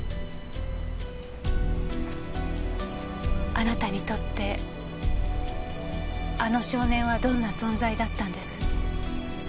あなたにとってあの少年はどんな存在だったんです？